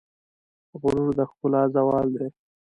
غرور د ښکلا زوال دی.